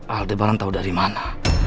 aldebaran tahu dari mana